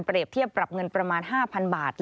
เทียบปรับเงินประมาณ๕๐๐๐บาท